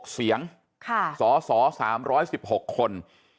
๓๑๖เสียงสอสอ๓๑๖คน